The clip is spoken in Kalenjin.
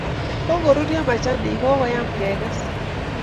Kokorurio machanik kokoyem keges